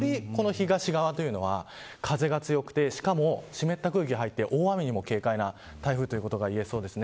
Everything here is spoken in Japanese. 東側は風が強くてしかも湿った空気が入って大雨にも警戒な台風ということが言えそうです。